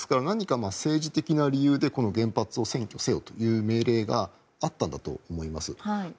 何か政治的な理由でこの原発を占拠せよという命令があったんだと思います。